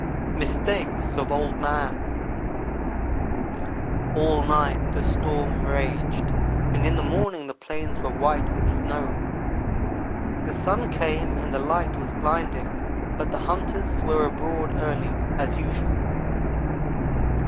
MISTAKES OF OLD MAN ALL night the storm raged, and in the morning the plains were white with snow. The sun came and the light was blinding, but the hunters were abroad early, as usual.